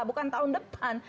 bukan tahun depan